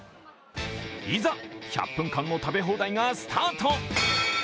いざ１００分間の食べ放題がスタート。